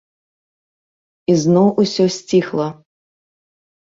І зноў усё сціхла.